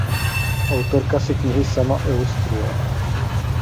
Autorka si knihy sama ilustruje.